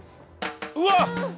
うわっ！